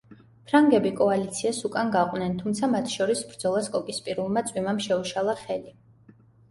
ფრანგები კოალიციას უკან გაყვნენ, თუმცა მათ შორის ბრძოლას კოკისპირულმა წვიმამ შეუშალა ხელი.